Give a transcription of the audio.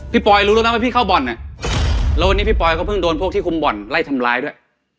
ปอยรู้แล้วนะว่าพี่เข้าบ่อนเนี่ยแล้ววันนี้พี่ปอยก็เพิ่งโดนพวกที่คุมบ่อนไล่ทำร้ายด้วย